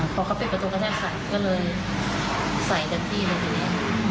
พอเขาปิดประตูกระแทกสักก็เลยใส่กันที่ในที่นี้